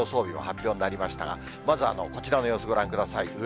日が発表になりましたが、まずはこちらの様子、ご覧ください。